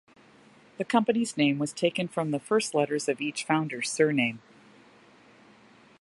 The company's name was taken from the first letters of each founder's surname.